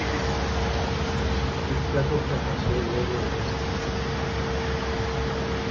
El trato fracasó luego de dos años.